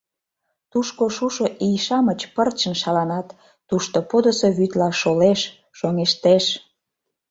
Тушко шушо ий-шамыч пырчын шаланат, тушто подысо вӱдла шолеш, шоҥештеш.